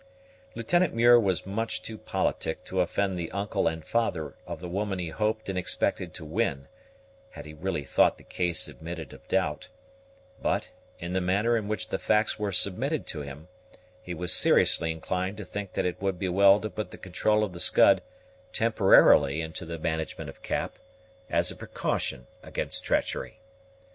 Lieutenant Muir was much too politic to offend the uncle and father of the woman he hoped and expected to win, had he really thought the case admitted of doubt; but, in the manner in which the facts were submitted to him, he was seriously inclined to think that it would be well to put the control of the Scud temporarily into the management of Cap, as a precaution against treachery.